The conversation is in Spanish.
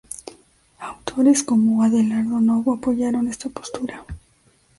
Autores como Adelardo Novo apoyaron esta postura.